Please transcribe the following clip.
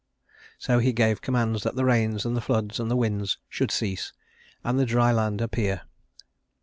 So he gave commands that the rains and the floods and the winds should cease, and the dry land appear.